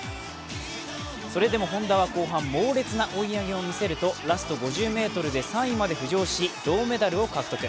それでも本多は後半、猛烈な追い上げを見せるとラスト５０ｍで３位まで浮上し、銅メダルを獲得。